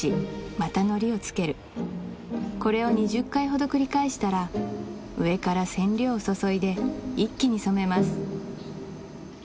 またのりをつけるこれを２０回ほど繰り返したら上から染料を注いで一気に染めます